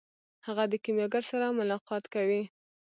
هغه د کیمیاګر سره ملاقات کوي.